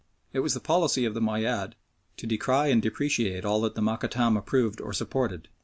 It was the policy of the Moayyad to decry and depreciate all that the Mokattam approved or supported.